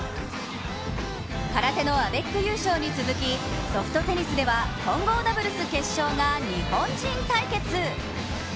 空手のアベック優勝に続き、ソフトテニスでは混合ダブルス決勝が日本人対決。